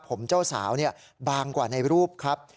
ผมเจ้าสาวบางกว่าในรูปครับ